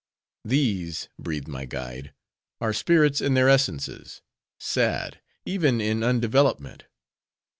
"'These,' breathed my guide, 'are spirits in their essences; sad, even in undevelopment.